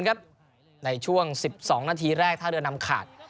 ในช่วง๑๒นาทีแรกท่าเรือนำขาด